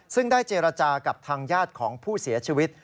ซึ่งได้เจรจากับทางญาติของผู้เสียชีวิต